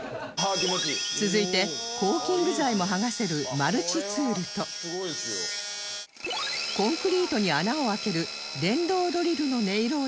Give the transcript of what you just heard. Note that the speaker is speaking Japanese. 続いてコーキング材も剥がせるマルチツールとコンクリートに穴を開ける電動ドリルの音色をチェック